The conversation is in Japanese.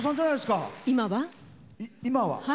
今は。